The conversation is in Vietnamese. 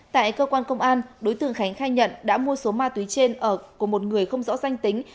tại cơ quan công an đối tượng khánh khai nhận đã mua số ma túy trên ở của một người không rõ danh tính